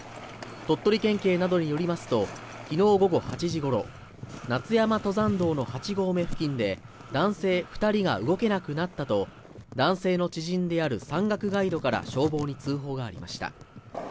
鳥取県警などによりますと、昨日の午後８時頃、夏山登山道の８合目付近で、男性２人が動けなくなったと男性の知人である山岳ガイドから消防に通報がありました。